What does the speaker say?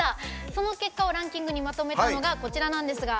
その結果をランキングにまとめたものです。